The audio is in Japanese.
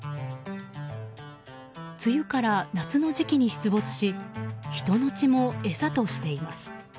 梅雨から夏の時期に出没し人の血も餌としています。